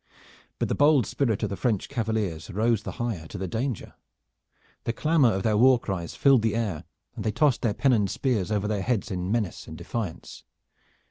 But the bold spirit of the French cavaliers rose the higher to the danger. The clamor of their war cries filled the air, and they tossed their pennoned spears over their heads in menace and defiance.